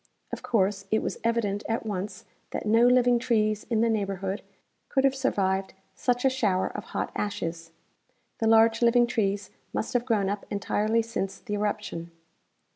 Of course, it Avas evident at once that no living trees in the neighborhood could have surAaved such a shower of hot '' ashes." The large living trees must have groAvn up entirely since the eruption.